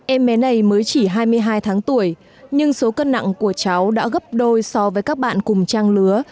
em bé này mới chỉ hai mươi hai tháng tuổi nhưng số cân nặng của cháu đã gấp đôi so với các bạn cùng trang lứa